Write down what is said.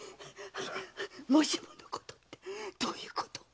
「もしものこと」ってどういうこと？